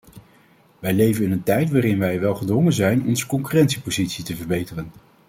Wij leven in een tijd waarin wij wel gedwongen zijn onze concurrentiepositie te verbeteren.